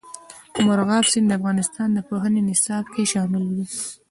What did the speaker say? مورغاب سیند د افغانستان د پوهنې نصاب کې شامل دي.